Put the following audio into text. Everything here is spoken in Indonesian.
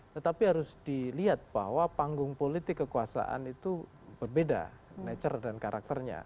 tetapi harus dilihat bahwa panggung politik kekuasaan itu berbeda nature dan karakternya